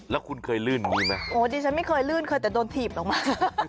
แล้วคุณเคยลื่นอย่างนี้ไหมโอ้ดิฉันไม่เคยลื่นเคยแต่โดนถีบลงมา